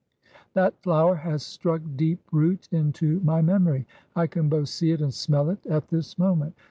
That flower has struck deep root into my memory. I can both see it and smell it, at this moment.